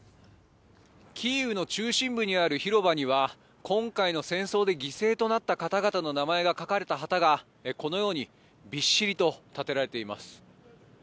キーウの中心部にある広場には今回の戦争で犠牲となった方々の名前が書かれた旗がこのようにびっしりと立てられています。